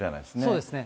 そうですね。